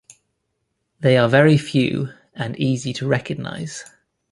They are very few, and easy to recognize.